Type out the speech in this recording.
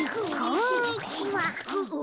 こんにちは。